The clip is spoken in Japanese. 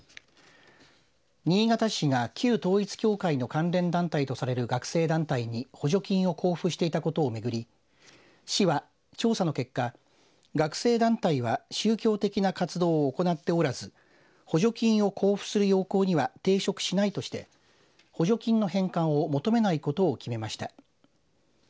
新潟市が旧統一教会の関連団体とされる学生団体に補助金を交付していたことを巡り市は調査の結果学生団体は宗教的な活動を行っておらず補助金を交付する要綱には抵触しないとして補助金の返還を求めないことを決めました。